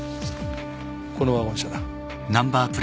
このワゴン車だ。